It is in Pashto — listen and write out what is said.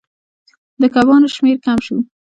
د کبانو شمیر کم شو.